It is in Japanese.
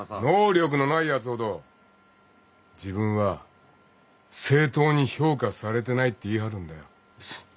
能力のないやつほど自分は正当に評価されてないって言い張るんだよ。